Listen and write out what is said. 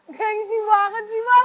gengsi banget sih bang